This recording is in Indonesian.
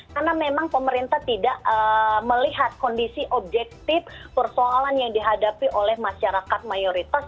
karena memang pemerintah tidak melihat kondisi objektif persoalan yang dihadapi oleh masyarakat mayoritas